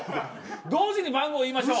同時に番号言いましょう。